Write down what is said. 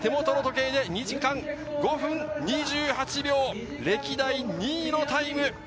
手元の時計で２時間５分２９秒、歴代２位のタイム。